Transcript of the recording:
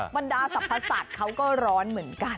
บรรดาสรรพสัตว์เขาก็ร้อนเหมือนกัน